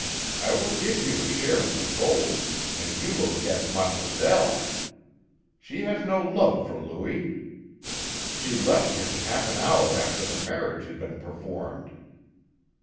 I will give you a share in the gold, and you will get mademoiselle. She has no love for Louis. She left him half an hour after the marriage had been performed.